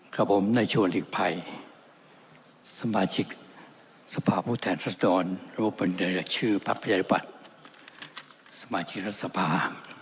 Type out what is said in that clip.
ครับผมได้ชวนอีกภัยสมาชิกสภาพผู้แทนรัฐดรรมรวมเป็นเดินแหลกชื่อปรับประหยัดบัตรสมาชิกรัฐสภา